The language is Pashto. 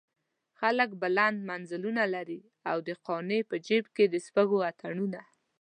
خلک بلند منزلونه لري او د قانع په جيب کې د سپږو اتڼونه.